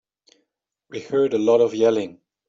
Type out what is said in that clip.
We heard a lot of yelling.